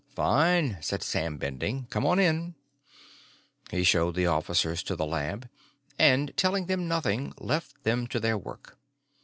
"Fine," said Sam Bending. "Come on in." He showed the officers to the lab, and telling them nothing, left them to their work.